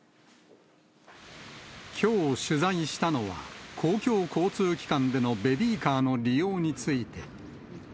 きょう取材したのは、公共交通機関でのベビーカーの利用について。